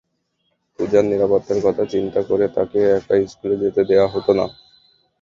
পূজার নিরাপত্তার কথা চিন্তা করে তাকে একা স্কুলে যেতে দেওয়া হতো না।